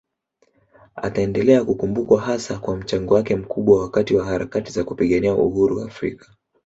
Ataendelea kukumbukwa hasa kwa mchango wake mkubwa wakati wa harakati za kupigania uhuru Afrika